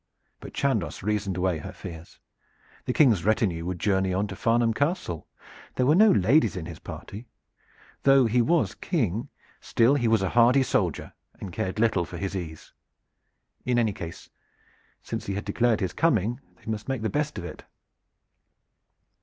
But Chandos reasoned away her fears. The King's retinue would journey on to Farnham Castle. There were no ladies in his party. Though he was King, still he was a hardy soldier, and cared little for his ease. In any case, since he had declared his coming, they must make the best of it.